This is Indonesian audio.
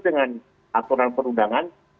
dengan aturan perundangan